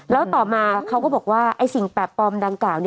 แล้วต่อมาเขาก็บอกว่าไอ้สิ่งแปลกปลอมดังกล่าว